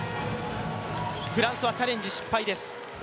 フランスはチャレンジ失敗です。